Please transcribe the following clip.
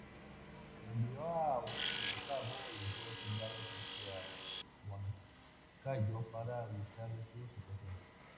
Envió a un cabo y dos soldados hacia Huancayo para avisar de su situación.